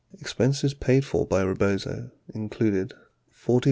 Expenses paid for by Rebozo included $45,621.